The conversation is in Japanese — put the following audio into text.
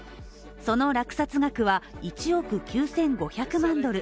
その落札額は１億９５００万ドル。